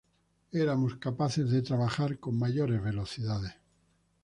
Éramos capaces de trabajar con mayores velocidades.